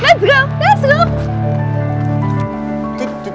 cepetan kasih tau